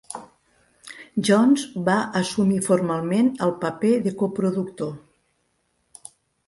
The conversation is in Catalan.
Johns va assumir formalment el paper de coproductor.